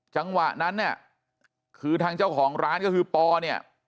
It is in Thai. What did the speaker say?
จังหวะนั้นเนี่ยคือทางเจ้าของร้านก็คือปอเนี่ย